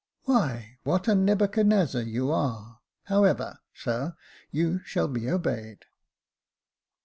" Why, what a Nebuchadnezzar you are ! However, sir, you shall be obeyed."